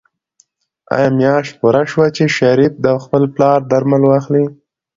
آیا میاشت پوره شوه چې شریف د خپل پلار درمل واخلي؟